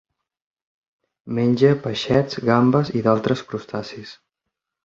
Menja peixets, gambes i d'altres crustacis.